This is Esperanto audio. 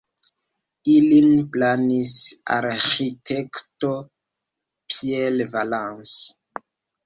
Ilin planis arĥitekto Pierre Valence.